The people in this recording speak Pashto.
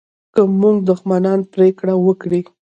که زموږ دښمنان پرېکړه وکړي